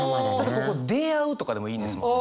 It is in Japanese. ここ「出会う」とかでもいいんですもん。